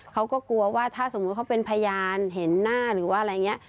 เขาก็กลัวว่าถ้าสมมุติเขาเป็นพยานเห็นหน้าหรือว่าอะไรอย่างนี้